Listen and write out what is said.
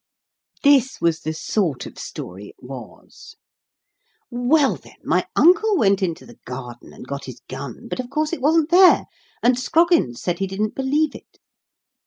This was the sort of story it was: "Well, then, my uncle went into the garden, and got his gun, but, of course, it wasn't there, and Scroggins said he didn't believe it."